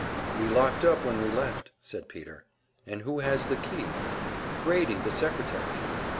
"We locked up when we left," said Peter. "And who has the key?" "Grady, the secretary."